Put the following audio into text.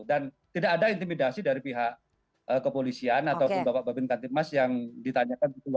dan tidak ada intimidasi dari pihak kepolisian atau bapak babim kamtipmas yang ditanyakan keluarga mbak